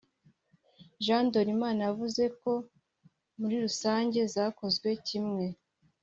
Jean Ndorimana yavuze ko muri rusange zakozwe kimwe